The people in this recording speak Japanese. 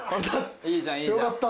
よかった。